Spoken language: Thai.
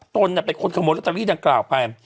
เป็นคนขโมยลอตเตอรี่ดังกล่าวไป